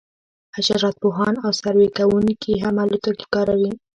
حشرات پوهان او سروې کوونکي هم الوتکې کاروي